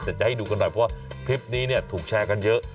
แต่จะให้ดูกันหน่อยเพราะว่าคลิปนี้ถูกแชร์กันเยอะ